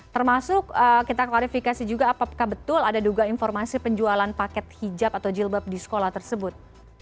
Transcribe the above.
termasuk kita klarifikasi juga apakah betul ada duga informasi penjualan paket hijab atau jilbab di sekolah tersebut